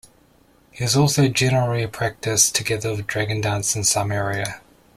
It is also generally practised together with Dragon dance in some area.